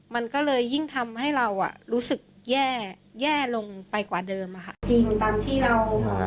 มันก็เลยยิ่งทำให้เราอ่ะรู้สึกแย่ไม่ลงไปกว่าเดิมอ่ะค่ะ